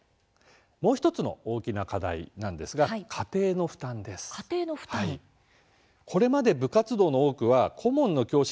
もう１つの大きな課題なんですが家庭の負担です。